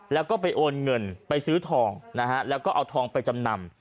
แล้วก็ไปโอนเงินไปซื้อทองนะฮะแล้วก็เอาทองไปจำนำ